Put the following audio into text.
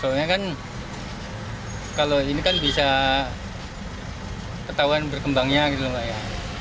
soalnya kan kalau ini kan bisa ketahuan berkembangnya gitu lho mbak ya